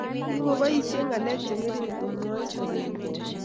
Kikiboisie ngalek chengering kemwoe sobenyi,